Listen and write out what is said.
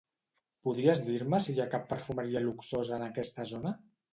Podries dir-me si hi ha cap perfumeria luxosa en aquesta zona?